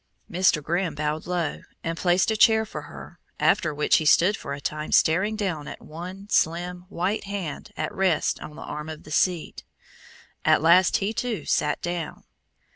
Mr. Grimm bowed low, and placed a chair for her, after which he stood for a time staring down at one slim, white hand at rest on the arm of the seat. At last, he, too, sat down.